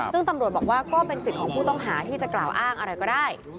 ซึ่งตำรวจบอกว่าก็เป็นสิทธิ์ของผู้ต้องหาที่จะกล่าวอ้างอะไรก็ได้